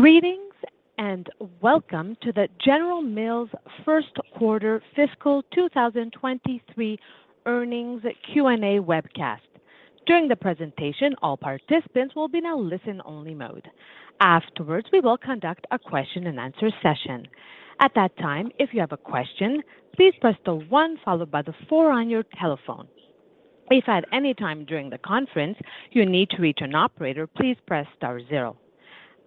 Greetings and welcome to the General Mills First Quarter Fiscal 2023 Earnings Q&A Webcast. During the presentation, all participants will be in a listen-only mode. Afterwards, we will conduct a question-and-answer session. At that time, if you have a question, please press the one followed by the four on your telephone. If at any time during the conference you need to reach an operator, please press star zero.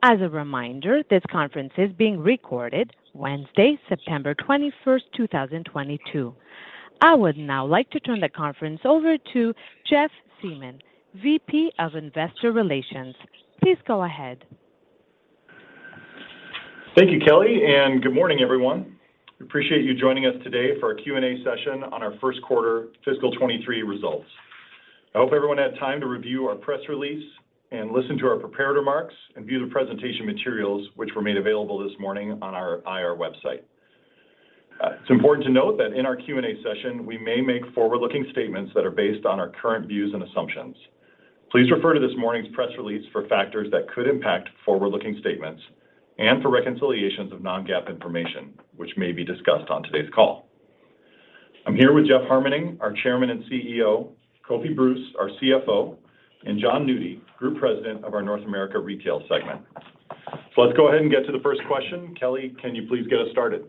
As a reminder, this conference is being recorded Wednesday, September 21st, 2022. I would now like to turn the conference over to Jeff Siemon, VP of Investor Relations. Please go ahead. Thank you, Kelly, and good morning, everyone. We appreciate you joining us today for our Q&A session on our first quarter fiscal 2023 results. I hope everyone had time to review our press release and listen to our prepared remarks and view the presentation materials, which were made available this morning on our IR website. It's important to note that in our Q&A session, we may make forward-looking statements that are based on our current views and assumptions. Please refer to this morning's press release for factors that could impact forward-looking statements and for reconciliations of non-GAAP information, which may be discussed on today's call. I'm here with Jeff Harmening, our Chairman and CEO, Kofi Bruce, our CFO, and Jon Nudi, Group President of our North America Retail segment. Let's go ahead and get to the first question. Kelly, can you please get us started?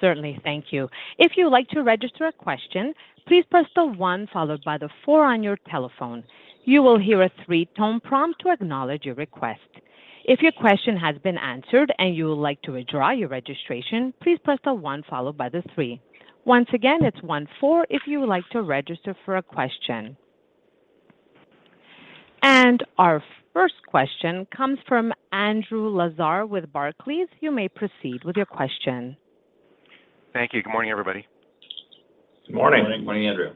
Certainly. Thank you. If you'd like to register a question, please press the one followed by the four on your telephone. You will hear a three-tone prompt to acknowledge your request. If your question has been answered and you would like to withdraw your registration, please press the one followed by the three. Once again, it's one-four if you would like to register for a question. Our first question comes from Andrew Lazar with Barclays. You may proceed with your question. Thank you. Good morning, everybody. Good morning. Good morning, Andrew.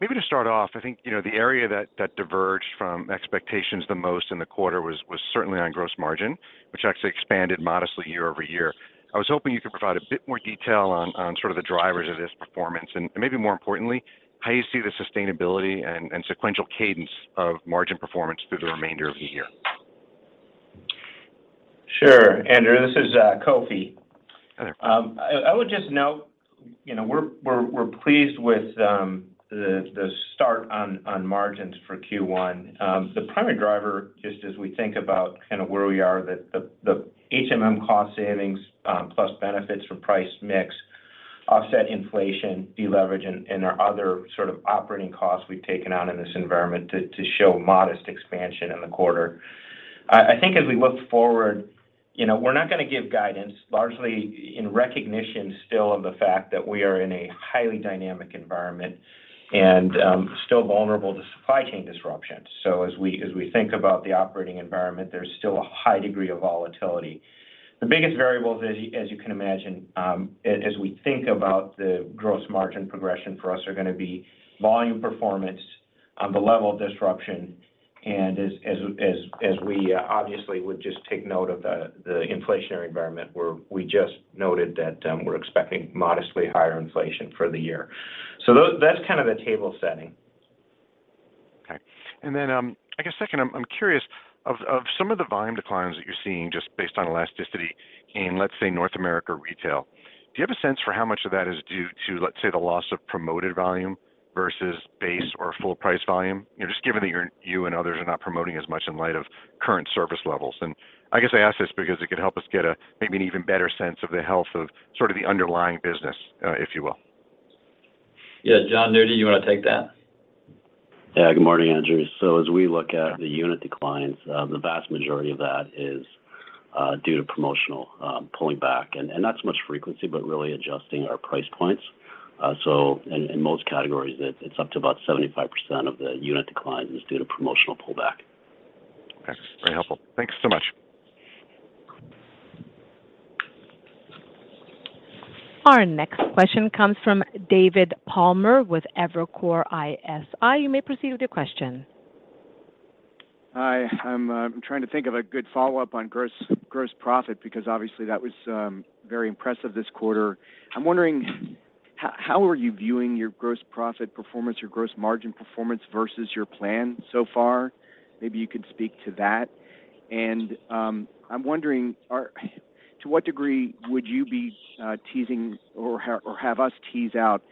Maybe to start off, I think, you know, the area that diverged from expectations the most in the quarter was certainly on gross margin, which actually expanded modestly year over year. I was hoping you could provide a bit more detail on sort of the drivers of this performance and maybe more importantly, how you see the sustainability and sequential cadence of margin performance through the remainder of the year. Sure, Andrew. This is Kofi. Okay. I would just note, you know, we're pleased with the start on margins for Q1. The primary driver, just as we think about kind of where we are that the HMM cost savings, plus benefits from price mix offset inflation deleverage and our other sort of operating costs we've taken on in this environment to show modest expansion in the quarter. I think as we look forward, you know, we're not gonna give guidance largely in recognition still of the fact that we are in a highly dynamic environment and still vulnerable to supply chain disruptions. As we think about the operating environment, there's still a high degree of volatility. The biggest variables as you can imagine, as we think about the gross margin progression for us are gonna be volume performance on the level of disruption and as we obviously would just take note of the inflationary environment where we just noted that we're expecting modestly higher inflation for the year. That's kind of the table setting. Okay. I guess second, I'm curious of some of the volume declines that you're seeing just based on elasticity in, let's say, North America Retail. Do you have a sense for how much of that is due to, let's say, the loss of promoted volume versus base or full price volume? You know, just given that you and others are not promoting as much in light of current service levels. I guess I ask this because it could help us get a maybe an even better sense of the health of sort of the underlying business, if you will. Yeah. Jon Nudi, you wanna take that? Yeah. Good morning, Andrew. As we look at the unit declines, the vast majority of that is due to promotional pulling back and not so much frequency, but really adjusting our price points. In most categories, it's up to about 75% of the unit declines is due to promotional pullback. Okay. Very helpful. Thanks so much. Our next question comes from David Palmer with Evercore ISI. You may proceed with your question. Hi. I'm trying to think of a good follow-up on gross profit because obviously that was very impressive this quarter. I'm wondering how are you viewing your gross profit performance, your gross margin performance versus your plan so far? Maybe you could speak to that. I'm wondering to what degree would you be teasing or have us tease out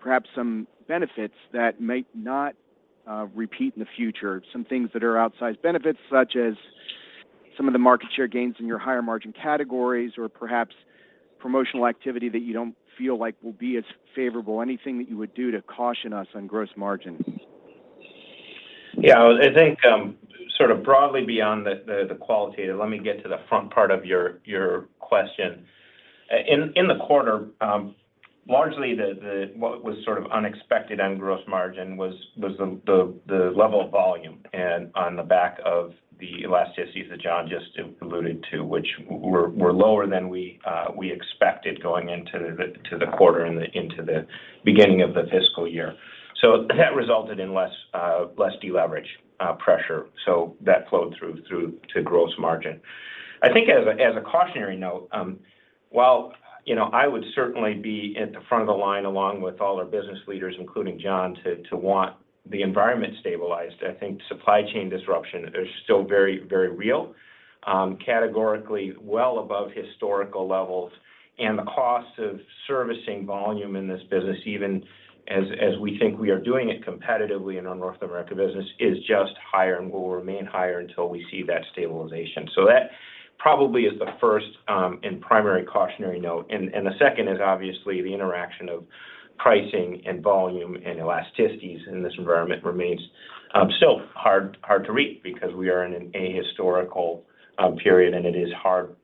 perhaps some benefits that might not repeat in the future, some things that are outsized benefits, such as some of the market share gains in your higher margin categories or perhaps promotional activity that you don't feel like will be as favorable? Anything that you would do to caution us on gross margin? Yeah. I think sort of broadly beyond the qualitative, let me get to the front part of your question. In the quarter, largely what was sort of unexpected on gross margin was the level of volume and on the back of the elasticities that Jon just alluded to, which were lower than we expected going into the quarter and into the beginning of the fiscal year. That resulted in less deleverage pressure. That flowed through to gross margin. I think as a cautionary note, while you know, I would certainly be at the front of the line along with all our business leaders, including Jon, to want the environment stabilized, I think supply chain disruption is still very real, categorically well above historical levels and the cost of servicing volume in this business, even as we think we are doing it competitively in our North America business, is just higher and will remain higher until we see that stabilization. That probably is the first and primary cautionary note. The second is obviously the interaction of pricing and volume and elasticities in this environment remains still hard to read because we are in an ahistorical period, and it is hard,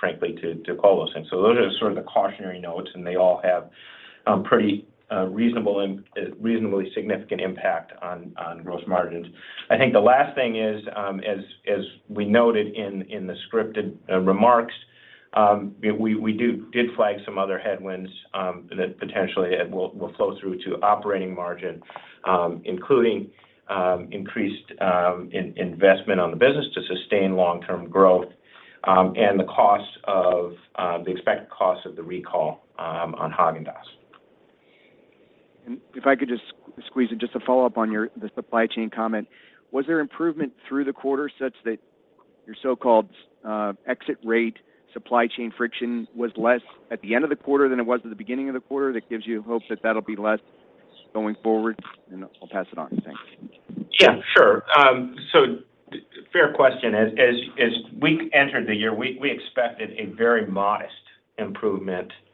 frankly, to call those things. Those are sort of the cautionary notes, and they all have pretty reasonable and reasonably significant impact on gross margins. I think the last thing is, as we noted in the scripted remarks, we did flag some other headwinds that potentially it will flow through to operating margin, including increased investment on the business to sustain long-term growth, and the cost of the expected cost of the recall on Häagen-Dazs. If I could just squeeze in just a follow-up on the supply chain comment. Was there improvement through the quarter such that your so-called exit rate supply chain friction was less at the end of the quarter than it was at the beginning of the quarter, that gives you hope that that'll be less going forward? I'll pass it on. Thanks. Yeah, sure. Fair question. As we entered the year, we expected a very modest improvement in the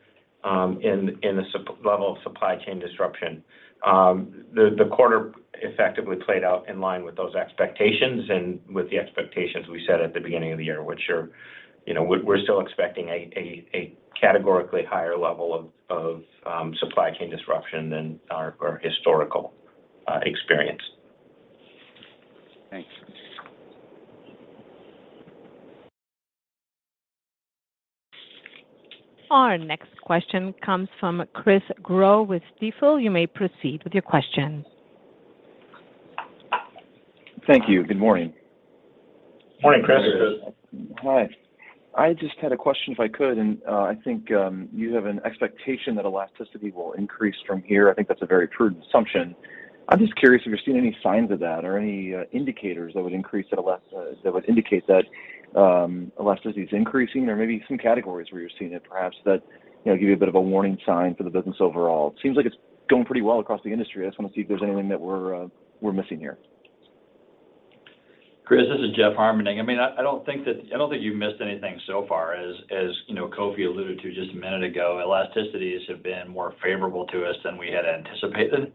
level of supply chain disruption. The quarter effectively played out in line with those expectations and with the expectations we set at the beginning of the year, which are, you know, we're still expecting a categorically higher level of supply chain disruption than our historical experience. Thanks. Our next question comes from Chris Growe with Stifel. You may proceed with your question. Thank you. Good morning. Morning, Chris. Morning, Chris. Hi. I just had a question, if I could, and I think you have an expectation that elasticity will increase from here. I think that's a very true assumption. I'm just curious if you're seeing any signs of that or any indicators that would indicate that elasticity is increasing or maybe some categories where you're seeing it, perhaps that you know give you a bit of a warning sign for the business overall. Seems like it's going pretty well across the industry. I just wanna see if there's anything that we're missing here. Chris, this is Jeff Harmening. I mean, I don't think you've missed anything so far. You know, Kofi alluded to just a minute ago, elasticities have been more favorable to us than we had anticipated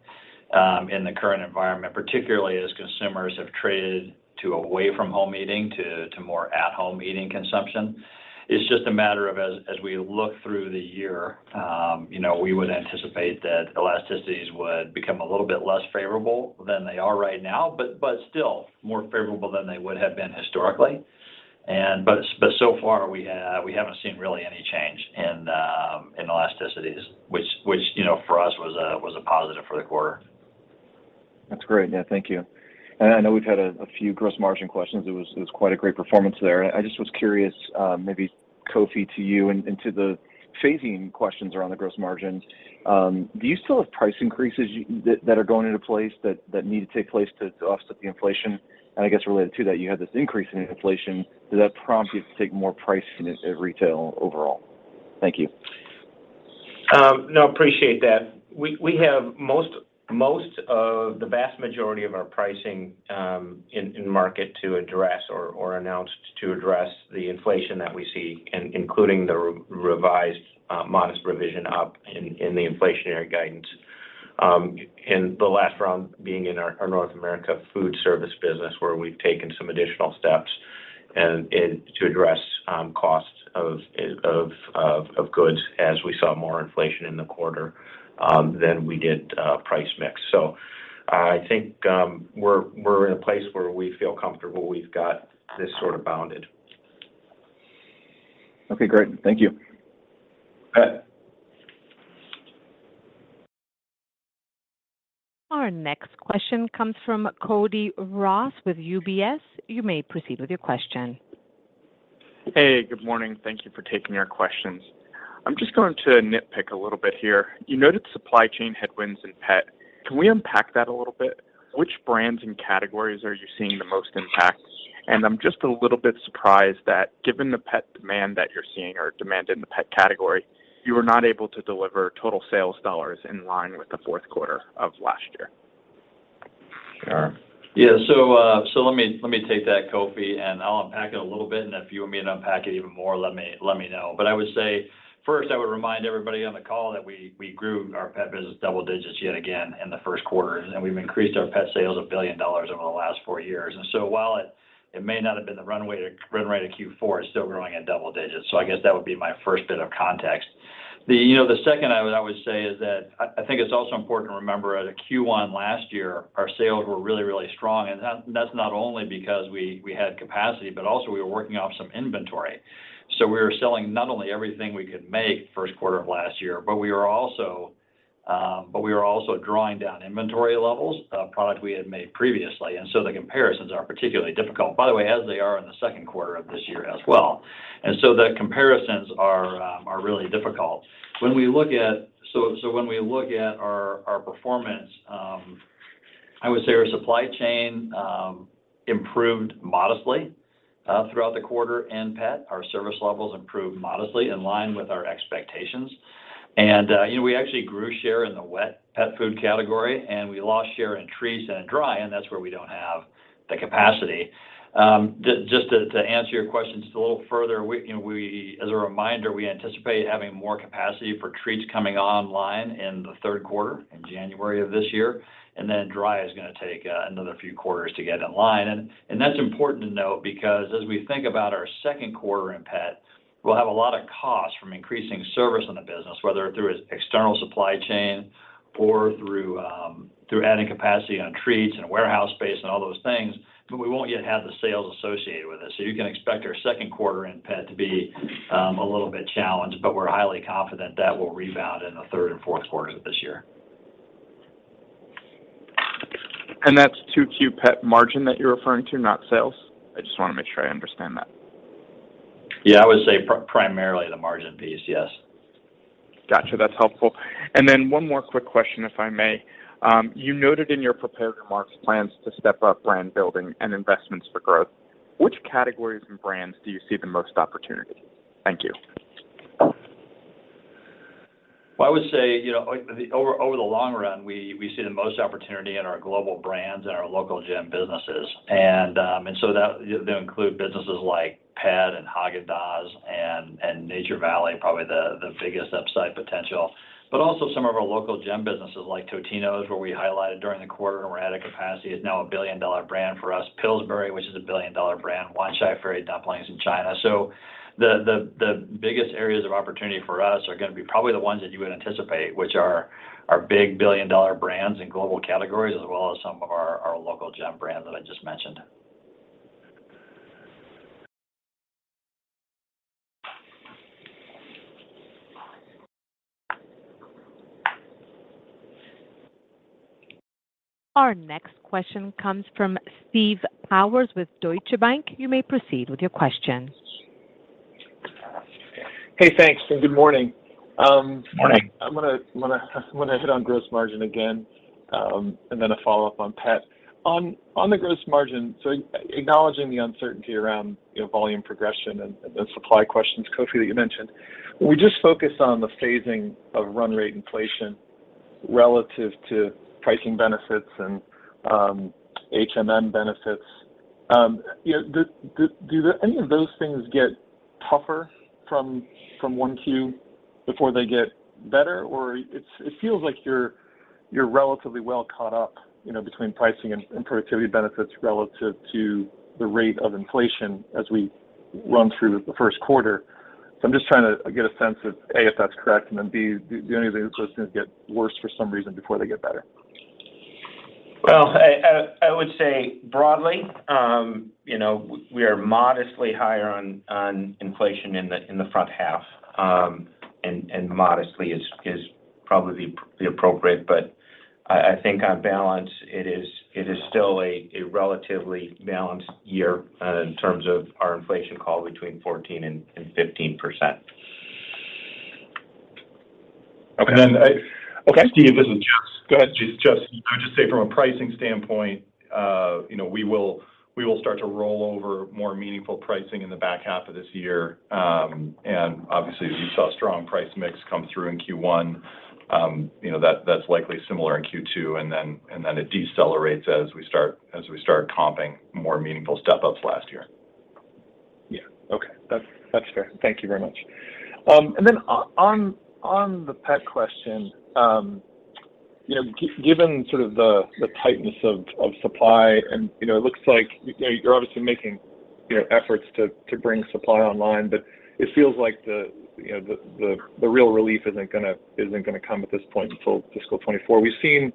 in the current environment, particularly as consumers have traded away from home eating to more at home eating consumption. It's just a matter of as we look through the year, you know, we would anticipate that elasticities would become a little bit less favorable than they are right now, but still more favorable than they would have been historically. So far we have not seen really any change in elasticities, which, you know, for us was a positive for the quarter. That's great. Yeah, thank you. I know we've had a few gross margin questions. It was quite a great performance there. I just was curious, maybe Kofi to you and to the phasing questions around the gross margins. Do you still have price increases that are going into place that need to take place to offset the inflation? I guess related to that, you have this increase in inflation. Does that prompt you to take more pricing at retail overall? Thank you. No, appreciate that. We have most of the vast majority of our pricing in market to address or announced to address the inflation that we see, including the revised modest revision up in the inflationary guidance. The last round being in our North America food service business where we've taken some additional steps to address costs of goods as we saw more inflation in the quarter than we did price mix. I think we're in a place where we feel comfortable we've got this sort of bounded. Okay, great. Thank you. You bet. Our next question comes from Cody Ross with UBS. You may proceed with your question. Hey, good morning. Thank you for taking our questions. I'm just going to nitpick a little bit here. You noted supply chain headwinds in pet. Can we unpack that a little bit? Which brands and categories are you seeing the most impact? I'm just a little bit surprised that given the pet demand that you're seeing or demand in the pet category, you were not able to deliver total sales dollars in line with the fourth quarter of last year. Sure. Yeah. Let me take that, Kofi, and I'll unpack it a little bit. If you want me to unpack it even more, let me know. I would say, first, I would remind everybody on the call that we grew our pet business double digits yet again in the first quarter, and we've increased our pet sales $1 billion over the last four years. While it may not have been the run rate of Q4, it's still growing at double digits. I guess that would be my first bit of context. You know, the second I would say is that I think it's also important to remember that Q1 last year, our sales were really strong. That's not only because we had capacity, but also we were working off some inventory. We were selling not only everything we could make first quarter of last year, but we were also drawing down inventory levels of product we had made previously. The comparisons are particularly difficult, by the way, as they are in the second quarter of this year as well. The comparisons are really difficult. When we look at our performance, I would say our supply chain improved modestly throughout the quarter in pet. Our service levels improved modestly in line with our expectations. You know, we actually grew share in the wet pet food category, and we lost share in treats and in dry, and that's where we don't have the capacity. Just to answer your question just a little further, you know, as a reminder, we anticipate having more capacity for treats coming online in the third quarter in January of this year, and then dry is gonna take another few quarters to get in line. That's important to note because as we think about our second quarter in pet, we'll have a lot of costs from increasing service in the business, whether through its external supply chain or through adding capacity on treats and warehouse space and all those things, but we won't yet have the sales associated with it. You can expect our second quarter in pet to be a little bit challenged, but we're highly confident that will rebound in the third and fourth quarters of this year. That's 2Q Pet margin that you're referring to, not sales? I just wanna make sure I understand that. Yeah. I would say primarily the margin piece, yes. Gotcha. That's helpful. One more quick question, if I may. You noted in your prepared remarks plans to step up brand building and investments for growth. Which categories and brands do you see the most opportunity? Thank you. Well, I would say, you know, like, over the long run, we see the most opportunity in our global brands and our local gem businesses. They include businesses like Pet and Häagen-Dazs and Nature Valley, probably the biggest upside potential. Also some of our local gem businesses like Totino's, where we highlighted during the quarter and we're at capacity is now a billion-dollar brand for us. Pillsbury, which is a billion-dollar brand, Wanchai Ferry dumplings in China. The biggest areas of opportunity for us are gonna be probably the ones that you would anticipate, which are our big billion-dollar brands in global categories, as well as some of our local gem brands that I just mentioned. Our next question comes from Steve Powers with Deutsche Bank. You may proceed with your question. Hey, thanks, and good morning. Morning. I'm gonna hit on gross margin again, and then a follow-up on Pet. On the gross margin, acknowledging the uncertainty around, you know, volume progression and supply questions, Kofi, that you mentioned, we just focus on the phasing of run rate inflation relative to pricing benefits and HMM benefits. You know, do any of those things get tougher from 1Q before they get better? Or it feels like you're relatively well caught up, you know, between pricing and productivity benefits relative to the rate of inflation as we run through the first quarter. I'm just trying to get a sense of, A, if that's correct, and then, B, do any of these cost things get worse for some reason before they get better? Well, I would say broadly, you know, we are modestly higher on inflation in the front half. Modestly is probably the appropriate. But I think on balance, it is still a relatively balanced year in terms of our inflation call between 14% and 15%. Okay. And then I- Okay. Steve, this is Jeff. Go ahead, Jeff. I would just say from a pricing standpoint, you know, we will start to roll over more meaningful pricing in the back half of this year. Obviously, as you saw, strong price mix come through in Q1. You know, that's likely similar in Q2, and then it decelerates as we start comping more meaningful step-ups last year. Yeah. Okay. That's fair. Thank you very much. On the Pet question, you know, given sort of the tightness of supply and, you know, it looks like you're obviously making efforts to bring supply online, but it feels like the real relief isn't gonna come at this point until fiscal 2024. We've seen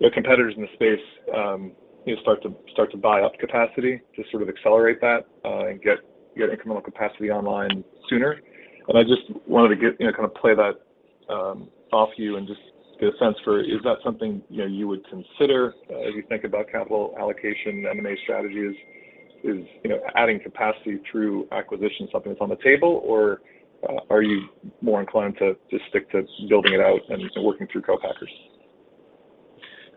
the competitors in the space, you know, start to buy up capacity to sort of accelerate that and get incremental capacity online sooner. I just wanted to get, you know, kind of play that off you and just get a sense for is that something, you know, you would consider as you think about capital allocation, M&A strategies, is, you know, adding capacity through acquisition something that's on the table, or are you more inclined to just stick to building it out and working through co-packers?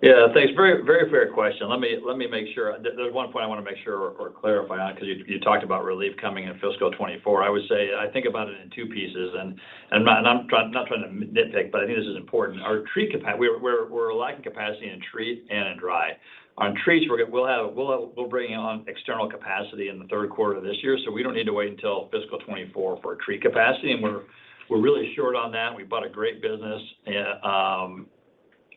Yeah. Thanks. Very fair question. Let me make sure. There's one point I wanna make sure or clarify on 'cause you talked about relief coming in fiscal 2024. I would say I think about it in two pieces and I'm not trying to nitpick, but I think this is important. Our treat capacity. We're lacking capacity in treat and in dry. On treats, we'll bring on external capacity in the third quarter of this year, so we don't need to wait until fiscal 2024 for treat capacity. We're really short on that. We bought a great business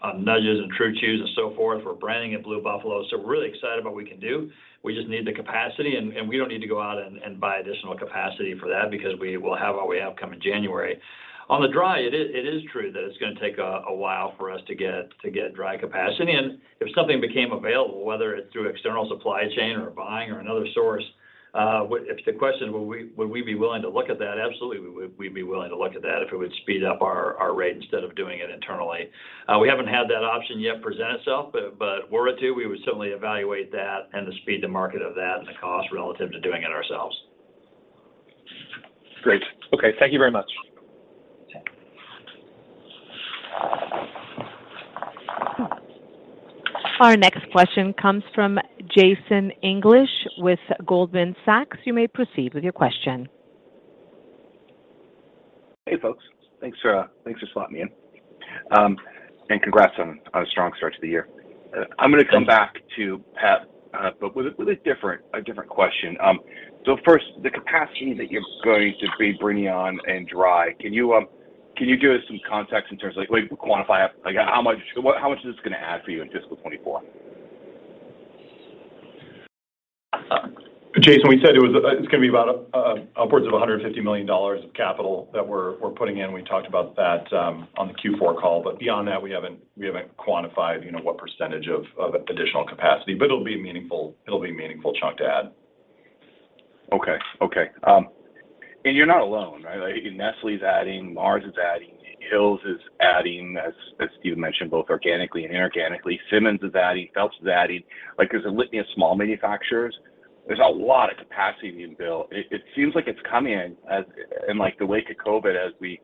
on Nudges and True Chews and so forth. We're branding at Blue Buffalo, so we're really excited about what we can do. We just need the capacity, and we don't need to go out and buy additional capacity for that because we will have what we have coming January. On the dry, it is true that it's gonna take a while for us to get dry capacity. If something became available, whether it's through external supply chain or buying or another source, if the question is would we be willing to look at that? Absolutely, we'd be willing to look at that if it would speed up our rate instead of doing it internally. We haven't had that option yet present itself, but were it to, we would certainly evaluate that and the speed to market of that and the cost relative to doing it ourselves. Great. Okay, thank you very much. Okay. Our next question comes from Jason English with Goldman Sachs. You may proceed with your question. Hey, folks. Thanks for slotting me in. Congrats on a strong start to the year. Thank you. I'm gonna come back to pet, but with a different question. First, the capacity that you're going to be bringing on in dry, can you give us some context in terms of how much this is gonna add for you in fiscal 2024? Jason, we said it was, it's gonna be about upwards of $150 million of capital that we're putting in. We talked about that on the Q4 call. Beyond that, we haven't quantified, you know, what percentage of additional capacity, but it'll be meaningful. It'll be a meaningful chunk to add. Okay. You're not alone, right? Nestlé's adding, Mars is adding, Hill's is adding, as Steve mentioned, both organically and inorganically. Simmons is adding, Phelps is adding. Like, there's a litany of small manufacturers. There's a lot of capacity being built. It seems like it's come in, like, in the wake of COVID as we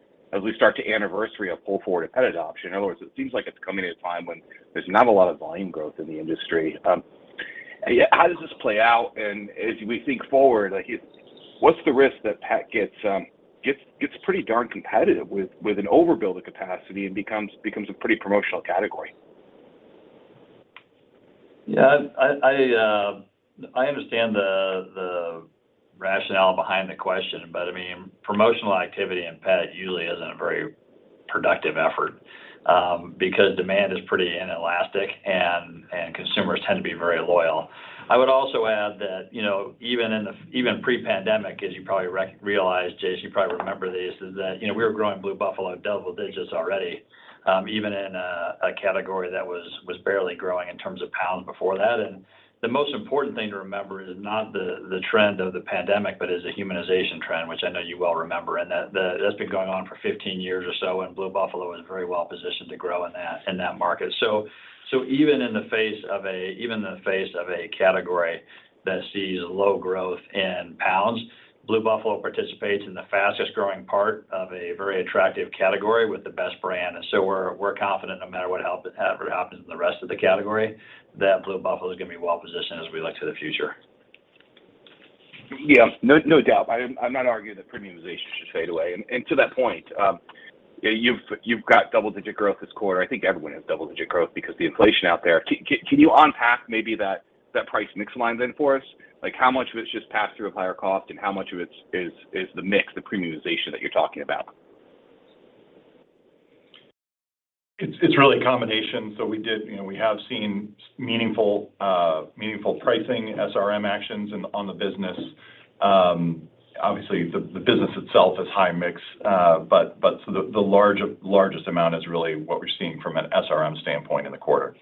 start to anniversary a pull forward in pet adoption. In other words, it seems like it's coming at a time when there's not a lot of volume growth in the industry. Yeah, how does this play out? As we think forward, like, what's the risk that pet gets pretty darn competitive with an overbuild of capacity and becomes a pretty promotional category? I understand the rationale behind the question, but I mean, promotional activity in pet usually isn't a very productive effort, because demand is pretty inelastic and consumers tend to be very loyal. I would also add that, you know, even pre-pandemic, as you probably realize, Jason, you probably remember this, is that, you know, we were growing Blue Buffalo double digits already, even in a category that was barely growing in terms of pounds before that. The most important thing to remember is not the trend of the pandemic, but is the humanization trend, which I know you well remember. That, that's been going on for 15 years or so, and Blue Buffalo is very well positioned to grow in that market. Even in the face of a category that sees low growth in pounds, Blue Buffalo participates in the fastest-growing part of a very attractive category with the best brand. We're confident no matter whatever happens in the rest of the category, that Blue Buffalo is gonna be well-positioned as we look to the future. No doubt. I'm not arguing that premiumization should fade away. To that point, you've got double-digit growth this quarter. I think everyone has double-digit growth because the inflation out there. Can you unpack maybe that price mix line then for us? Like, how much of it is just pass-through of higher cost and how much of it is the mix, the premiumization that you're talking about? It's really a combination. You know, we have seen meaningful pricing, SRM actions on the business. Obviously, the business itself is high mix, but so the largest amount is really what we're seeing from an SRM standpoint in the quarter.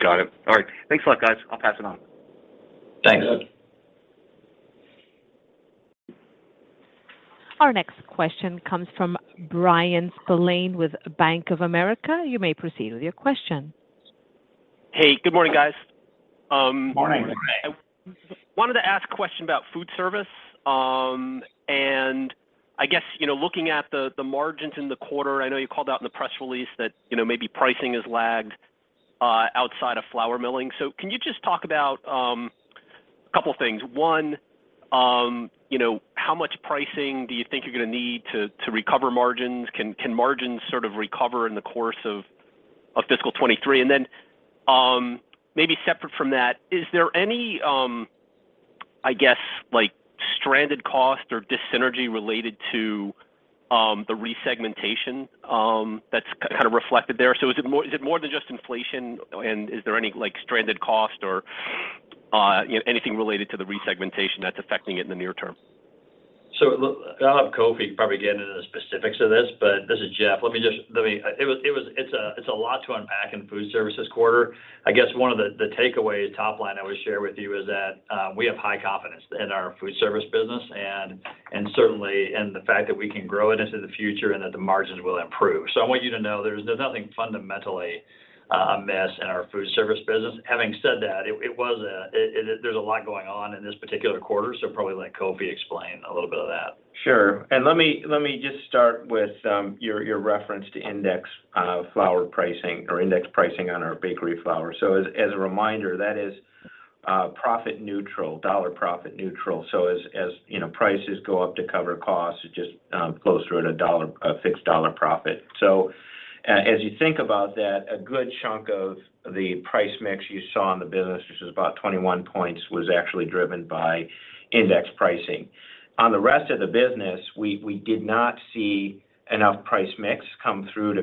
Got it. All right. Thanks a lot, guys. I'll pass it on. Thanks. Our next question comes from Bryan Spillane with Bank of America. You may proceed with your question. Hey, good morning, guys. Morning. I wanted to ask a question about food service. I guess, you know, looking at the margins in the quarter, I know you called out in the press release that, you know, maybe pricing has lagged outside of flour milling. Can you just talk about a couple of things? One, you know, how much pricing do you think you're gonna need to recover margins? Can margins sort of recover in the course of fiscal 2023? And then, maybe separate from that, is there any, I guess, like, stranded cost or dyssynergy related to the resegmentation that's kind of reflected there? Is it more than just inflation, and is there any, like, stranded cost or, you know, anything related to the resegmentation that's affecting it in the near term? Look, I'll have Kofi probably get into the specifics of this, but this is Jeff. Let me. It was. It's a lot to unpack in food service quarter. I guess one of the takeaways top line I would share with you is that, we have high confidence in our food service business and certainly in the fact that we can grow it into the future and that the margins will improve. I want you to know there's nothing fundamentally amiss in our food service business. Having said that, there's a lot going on in this particular quarter, so probably let Kofi explain a little bit of that. Sure. Let me just start with your reference to index flour pricing or index pricing on our bakery flour. As a reminder, that is profit neutral, dollar profit neutral. As you know, prices go up to cover costs, it's just close to a dollar, a fixed dollar profit. As you think about that, a good chunk of the price mix you saw in the business, which was about 21%, was actually driven by index pricing. On the rest of the business, we did not see enough price mix come through to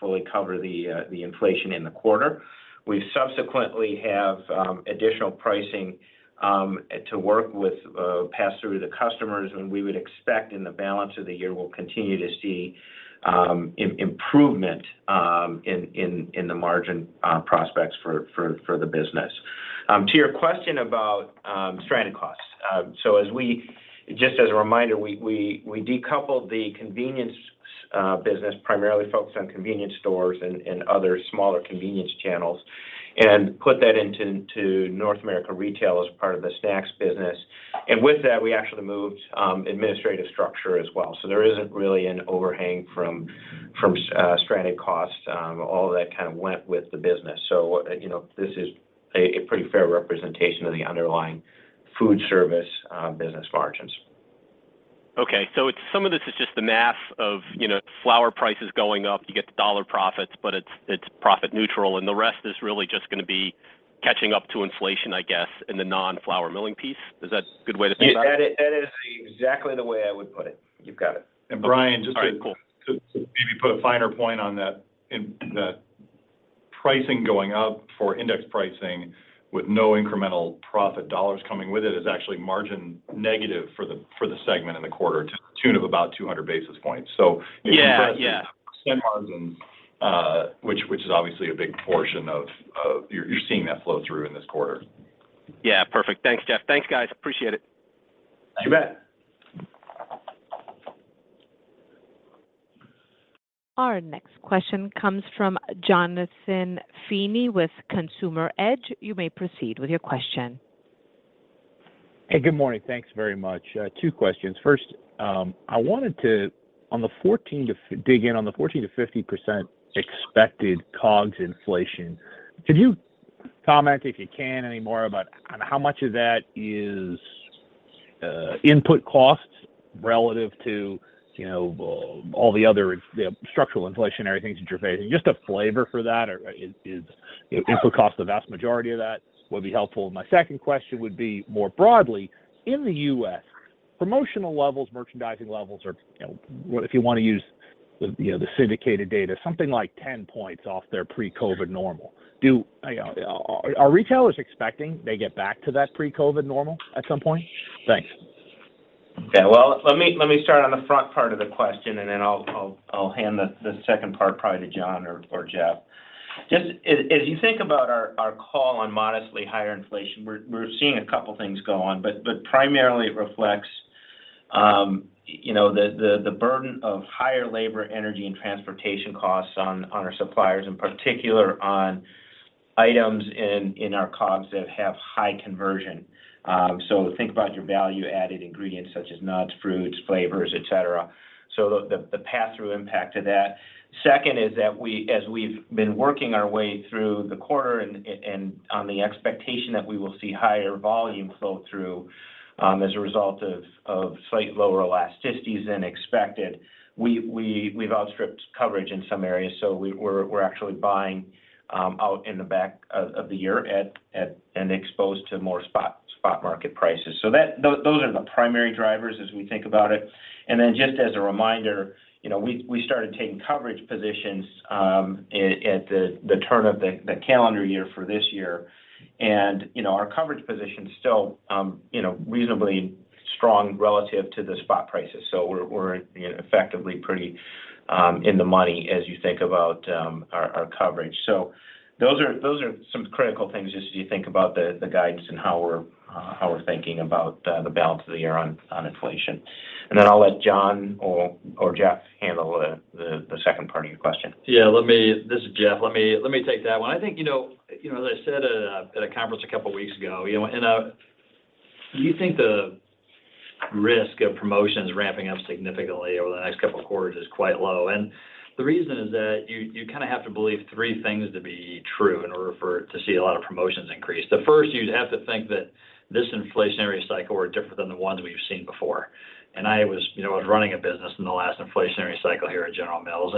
fully cover the inflation in the quarter. We subsequently have additional pricing to work with to pass through to the customers, and we would expect in the balance of the year we'll continue to see improvement in the margin prospects for the business. To your question about stranded costs. Just as a reminder, we decoupled the convenience business primarily focused on convenience stores and other smaller convenience channels and put that into North America Retail as part of the snacks business. With that, we actually moved administrative structure as well. There isn't really an overhang from stranded costs. All of that kind of went with the business. You know, this is a pretty fair representation of the underlying food service business margins. Okay. It's some of this is just the math of, you know, flour prices going up. You get the dollar profits, but it's profit neutral, and the rest is really just gonna be catching up to inflation, I guess, in the non-flour milling piece. Is that a good way to think about it? That is exactly the way I would put it. You've got it. Bryan, just to- All right. Cool To maybe put a finer point on that. In the pricing going up for index pricing with no incremental profit dollars coming with it is actually margin negative for the segment in the quarter to the tune of about 200 basis points. So Yeah. Yeah Which is obviously a big portion of you're seeing that flow through in this quarter. Yeah. Perfect. Thanks, Jeff. Thanks, guys. Appreciate it. You bet. Our next question comes from Jonathan Feeney with Consumer Edge. You may proceed with your question. Hey, good morning. Thanks very much. Two questions. First, I wanted to dig in on the 14%-15% expected COGS inflation. Could you comment, if you can, any more about kind of how much of that is input costs relative to, you know, all the other, the structural inflationary things that you're facing? Just a flavor for that or is input cost the vast majority of that would be helpful. My second question would be more broadly, in the U.S., promotional levels, merchandising levels are, you know, if you wanna use the, you know, the syndicated data, something like 10 points off their pre-COVID normal. Are retailers expecting they get back to that pre-COVID normal at some point? Thanks. Okay. Well, let me start on the front part of the question, and then I'll hand the second part probably to Jon or Jeff. Just as you think about our call on modestly higher inflation, we're seeing a couple things go on, but primarily it reflects the burden of higher labor, energy, and transportation costs on our suppliers, in particular on items in our COGS that have high conversion. Think about your value-added ingredients such as nuts, fruits, flavors, et cetera. The pass-through impact to that. Second is that as we've been working our way through the quarter on the expectation that we will see higher volume flow through as a result of slightly lower elasticities than expected, we've outstripped coverage in some areas. So we're actually buying out in the back half of the year at and exposed to more spot market prices. So those are the primary drivers as we think about it. Then just as a reminder, you know, we started taking coverage positions at the turn of the calendar year for this year. You know, our coverage position is still you know, reasonably strong relative to the spot prices. So we're you know, effectively pretty in the money as you think about our coverage. Those are some critical things just as you think about the guidance and how we're thinking about the balance of the year on inflation. Then I'll let Jon or Jeff handle the second part of your question. Yeah. This is Jeff. Let me take that one. I think you know, as I said at a conference a couple weeks ago, you know, we think the risk of promotions ramping up significantly over the next couple of quarters is quite low. The reason is that you kinda have to believe three things to be true in order for it to see a lot of promotions increase. The first, you'd have to think that this inflationary cycle were different than the ones we've seen before. I was, you know, running a business in the last inflationary cycle here at General Mills.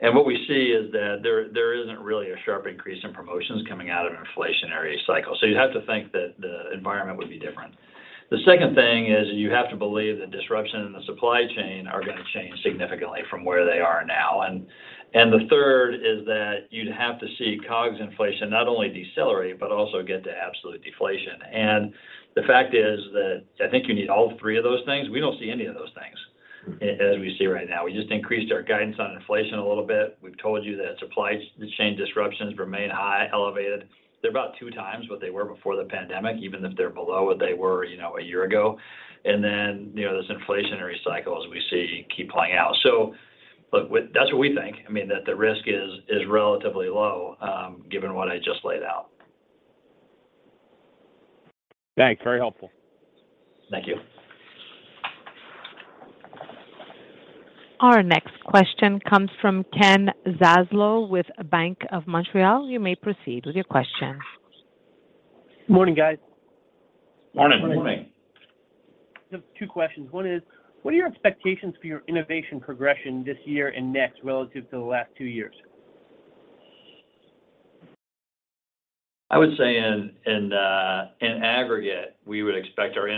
What we see is that there isn't really a sharp increase in promotions coming out of an inflationary cycle. You'd have to think that the environment would be different. The second thing is you have to believe the disruption in the supply chain are gonna change significantly from where they are now. The third is that you'd have to see COGS inflation not only decelerate, but also get to absolute deflation. The fact is that I think you need all three of those things. We don't see any of those things as we see right now. We just increased our guidance on inflation a little bit. We've told you that supply chain disruptions remain high, elevated. They're about two times what they were before the pandemic, even if they're below what they were, you know, a year ago. Then, you know, those inflationary cycles we see keep playing out. So look, that's what we think. I mean, the risk is relatively low, given what I just laid out. Thanks. Very helpful. Thank you. Our next question comes from Ken Zaslow with Bank of Montreal. You may proceed with your question. Morning, guys. Morning. Morning. I have two questions. One is, what are your expectations for your innovation progression this year and next relative to the last two years? I would say in aggregate, we would expect our,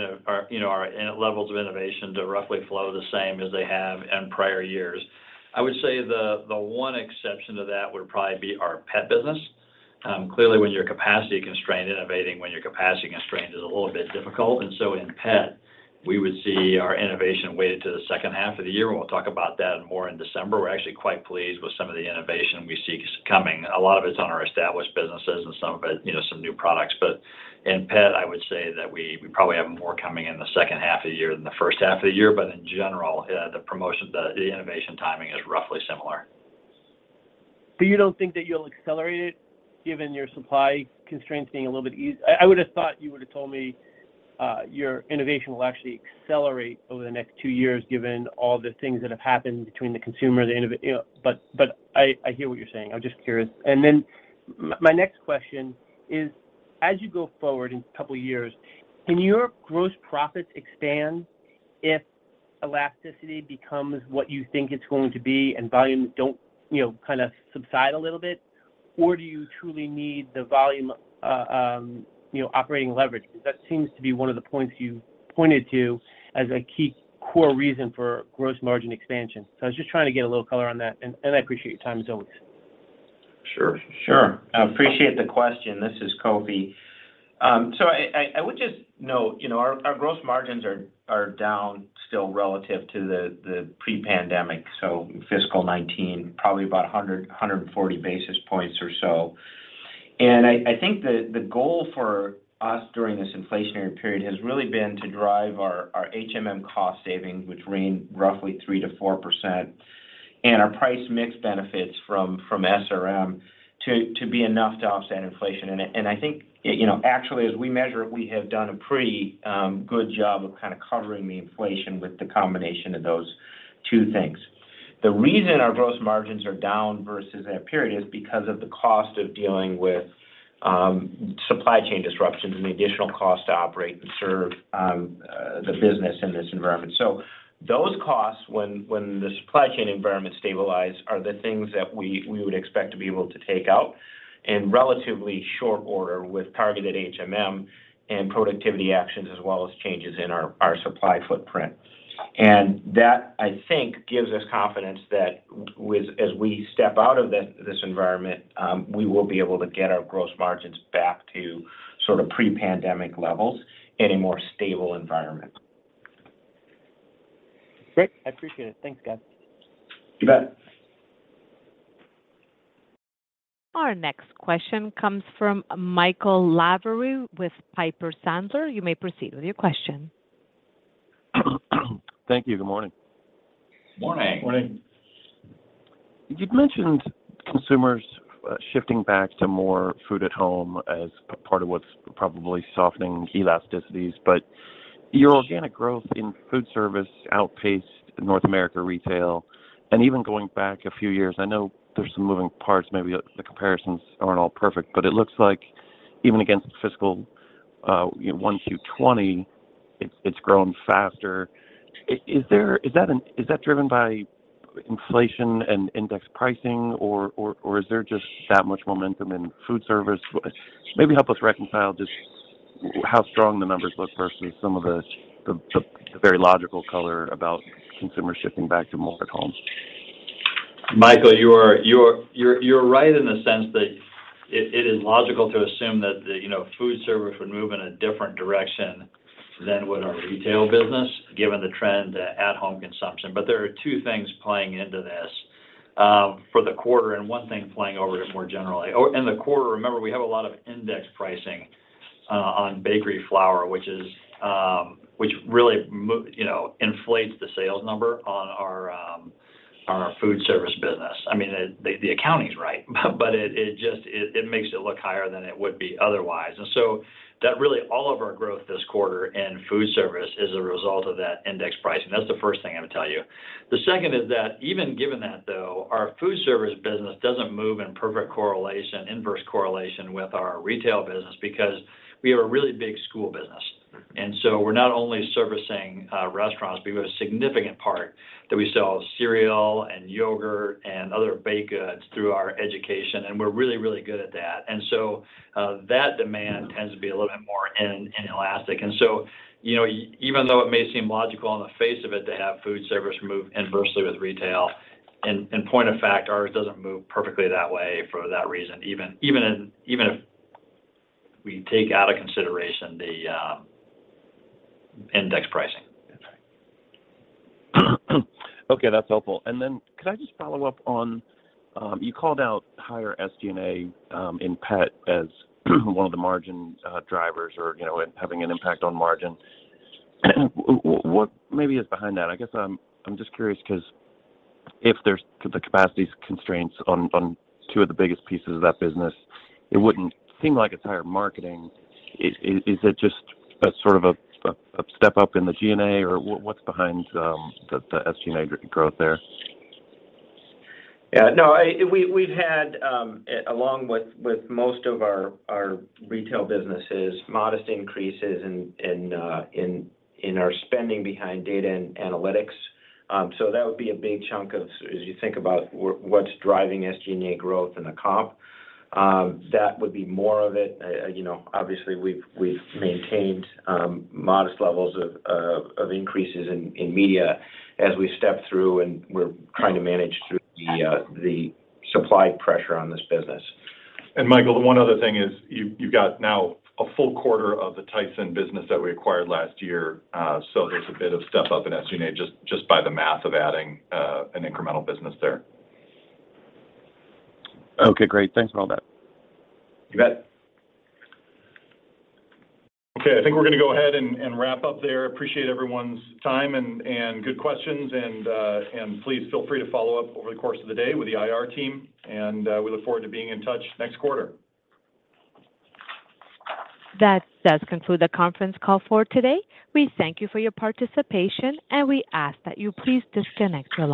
you know, our levels of innovation to roughly flow the same as they have in prior years. I would say the one exception to that would probably be our pet business. Clearly, when you're capacity constrained, innovating when you're capacity constrained is a little bit difficult. In pet, we would see our innovation weighted to the second half of the year, and we'll talk about that more in December. We're actually quite pleased with some of the innovation we see coming. A lot of it's on our established businesses and some of it, you know, some new products. In pet, I would say that we probably have more coming in the second half of the year than the first half of the year. In general, the promotion, the innovation timing is roughly similar. You don't think that you'll accelerate it given your supply constraints being a little bit easier. I would've thought you would've told me your innovation will actually accelerate over the next two years given all the things that have happened between the consumer, the innovation. You know, but I hear what you're saying. I'm just curious. My next question is, as you go forward in a couple years, can your gross profits expand if elasticity becomes what you think it's going to be and volumes don't, you know, kind of subside a little bit? Or do you truly need the volume, you know, operating leverage? Because that seems to be one of the points you pointed to as a key core reason for gross margin expansion. I was just trying to get a little color on that, and I appreciate your time as always. Sure. Sure. I appreciate the question. This is Kofi. I would just note, you know, our gross margins are down still relative to the pre-pandemic, so fiscal 2019, probably about 140 basis points or so. I think the goal for us during this inflationary period has really been to drive our HMM cost saving, which remain roughly 3%-4%, and our price mix benefits from SRM to be enough to offset inflation. I think, you know, actually as we measure it, we have done a pretty good job of kind of covering the inflation with the combination of those two things. The reason our gross margins are down versus that period is because of the cost of dealing with supply chain disruptions and the additional cost to operate and serve the business in this environment. Those costs, when the supply chain environment stabilize, are the things that we would expect to be able to take out in relatively short order with targeted HMM and productivity actions as well as changes in our supply footprint. That, I think, gives us confidence that with as we step out of this environment, we will be able to get our gross margins back to sort of pre-pandemic levels in a more stable environment. Great. I appreciate it. Thanks, guys. You bet. Our next question comes from Michael Lavery with Piper Sandler. You may proceed with your question. Thank you. Good morning. Morning. Morning. You'd mentioned consumers shifting back to more food at home as part of what's probably softening elasticities. Your organic growth in food service outpaced North America Retail. Even going back a few years, I know there's some moving parts, maybe the comparisons aren't all perfect, but it looks like even against fiscal 1Q 2020, it's grown faster. Is that driven by inflation and index pricing or is there just that much momentum in food service? Maybe help us reconcile just how strong the numbers look versus some of the very logical color about consumer shifting back to more at homes. Michael, you're right in the sense that it is logical to assume that the you know food service would move in a different direction than would our retail business, given the trend at home consumption. There are two things playing into this for the quarter and one thing playing over it more generally. In the quarter, remember, we have a lot of index pricing on bakery flour, which really you know inflates the sales number on our food service business. I mean, the accounting is right, but it just makes it look higher than it would be otherwise. That really all of our growth this quarter in food service is a result of that index pricing. That's the first thing I would tell you. The second is that even given that though, our food service business doesn't move in perfect correlation, inverse correlation with our retail business because we have a really big school business. We're not only servicing restaurants, we have a significant part that we sell cereal and yogurt and other baked goods through our education, and we're really, really good at that. That demand tends to be a little bit more inelastic. You know, even though it may seem logical on the face of it to have food service move inversely with retail, and in point of fact, ours doesn't move perfectly that way for that reason. Even if we take out of consideration the index pricing. Okay, that's helpful. Could I just follow up on you called out higher SG&A in pet as one of the margin drivers or having an impact on margin. What maybe is behind that? I guess I'm just curious because if there's capacity constraints on two of the biggest pieces of that business, it wouldn't seem like it's higher marketing. Is it just a sort of a step-up in the G&A or what's behind the SG&A growth there? No, we’ve had, along with most of our retail businesses, modest increases in our spending behind data and analytics. That would be a big chunk, as you think about what’s driving SG&A growth in the comp, that would be more of it. You know, obviously, we’ve maintained modest levels of increases in media as we step through and we’re trying to manage through the supply pressure on this business. Michael, the one other thing is you've got now a full quarter of the Tyson business that we acquired last year. So there's a bit of step up in SG&A just by the math of adding an incremental business there. Okay, great. Thanks for all that. You bet. Okay. I think we're gonna go ahead and wrap up there. Appreciate everyone's time and good questions. Please feel free to follow up over the course of the day with the IR team, and we look forward to being in touch next quarter. That does conclude the conference call for today. We thank you for your participation, and we ask that you please disconnect your line.